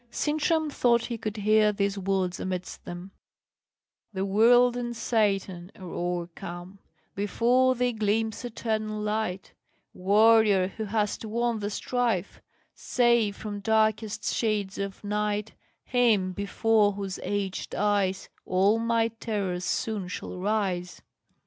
Sintram thought he could hear these words amidst them: "The world and Satan are o'ercome, Before thee gleams eternal light, Warrior, who hast won the strife: Save from darkest shades of night Him before whose aged eyes All my terrors soon shall rise."